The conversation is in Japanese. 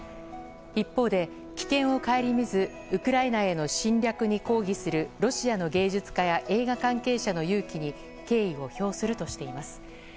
一方で、危険を顧みずウクライナへの侵略に抗議するロシアの芸術家や映画関係者の勇気に敬意を表するとしています。